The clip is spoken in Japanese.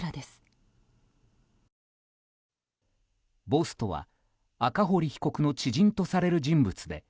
ボスとは、赤堀被告の知人とされる人物です。